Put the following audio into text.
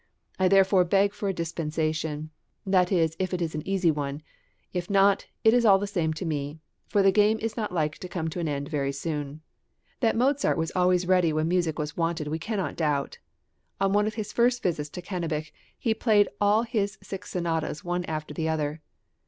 I therefore beg for a dispensation, that is if it is an easy one; if not, it is all the same to me, for the game is not like to come to an end very soon. {THE CANNABICH FAMILY.} (383) That Mozart was always ready when music was wanted we cannot doubt; on one of his first visits to Cannabich he played all his six sonatas one after the other.